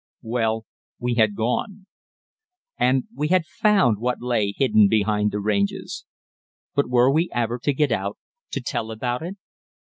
Well, we had gone. And we had found what lay hidden behind the ranges. But were we ever to get out to tell about it?